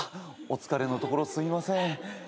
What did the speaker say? お疲れのところすいません。